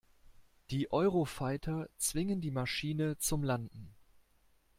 Die Eurofighter zwingen die Maschine zum Landen.